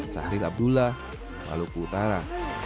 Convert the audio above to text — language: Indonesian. syahril abdullah maluku utara